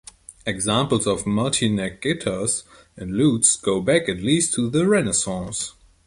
Examples of multi-neck guitars and lutes go back at least to the Renaissance.